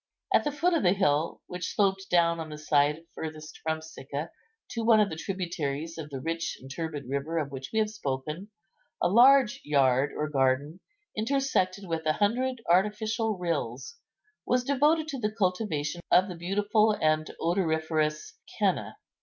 At the foot of the hill, which sloped down on the side furthest from Sicca to one of the tributaries of the rich and turbid river of which we have spoken, a large yard or garden, intersected with a hundred artificial rills, was devoted to the cultivation of the beautiful and odoriferous khennah.